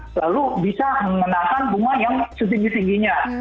selalu bisa mengenangkan bunga yang setinggi tingginya